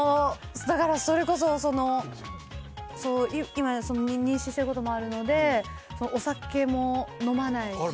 だからそれこそ、そう、今妊娠していることもあるので、お酒も飲まないしで。